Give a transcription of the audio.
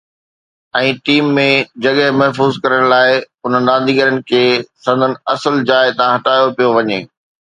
۽ team ۾ جڳهه محفوظ ڪرڻ لاءِ انهن رانديگرن کي سندن اصل جاءِ تان هٽايو پيو وڃي